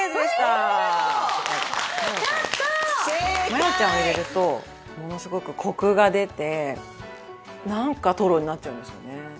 マヨちゃんを入れるとものすごくコクが出てなんかトロになっちゃうんですよね。